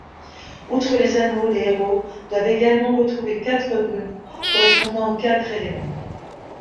Outre les anneaux, les héros doivent également retrouver quatre runes, correspondant aux quatre éléments.